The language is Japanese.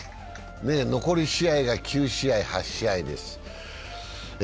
残り試合が９試合、８試合です。